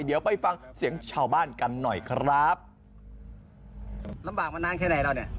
เดี๋ยวไปฟังเสียงชาวบ้านกันหน่อยครับลำบากมานานแค่ไหนแล้วเนี่ย